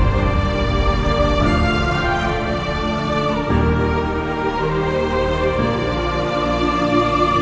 tidak ada yang bisa diberi